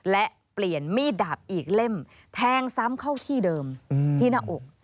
และเปลี่ยนมีดดาบอีกเล่มแทงซ้ำเข้าที่เดิมที่หน้าอก